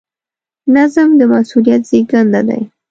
نظم د مسؤلیت زېږنده دی.